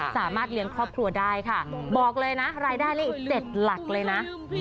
สามารถเลี้ยงครอบครัวได้ค่ะบอกเลยนะรายได้นี่๗หลักเลยนะ